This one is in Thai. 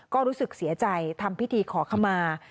ก็รู้สึกเสียใจทำพิธีขอขมา